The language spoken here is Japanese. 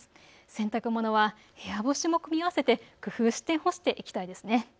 洗濯物は部屋干しも組み合わせて工夫して干していきたいですね。